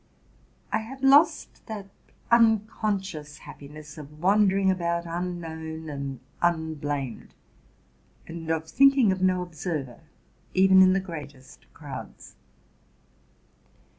I had lost that unconscious happiness of wandering about un known and unblamed, and of thinking of no observer, even in the greatest crowds.